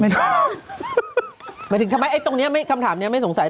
หมายถึงตรงนี้คำถามนี้ไม่สงสัย